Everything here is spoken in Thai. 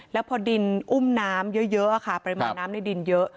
แล้วพอดินอุ้มน้ำเยอะค่ะปริมาณน้ำในดินเยอะ